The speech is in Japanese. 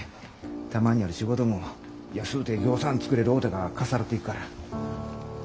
たまにある仕事も安うてぎょうさん作れる大手がかっさらっていくから。